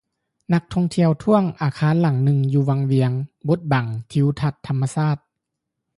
ນັກທ່ອງທ່ຽວທ້ວງອາຄານຫຼັງໜຶ່ງ ຢູ່ວັງວຽງບົດບັງທິວທັດທຳມະຊາດ